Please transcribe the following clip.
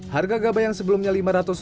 harga gabah yang sebelumnya lima ratus ton